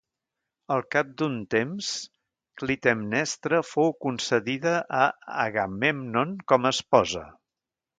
Al cap d'un temps, Clitemnestra fou concedida a Agamèmnon com a esposa.